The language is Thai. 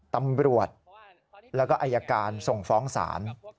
ตำรวจแล้วก็อายการส่งฟ้องศาล